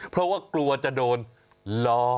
เพราะว่ากลัวจะโดนล้อ